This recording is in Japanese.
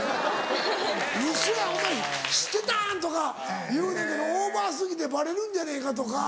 ウソやんホンマに知ってたん⁉とか言うねんけどオーバー過ぎてバレるんじゃねえかとか。